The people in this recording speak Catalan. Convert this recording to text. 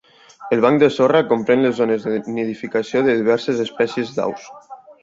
El banc de sorra comprèn les zones de nidificació de diverses espècies d'aus.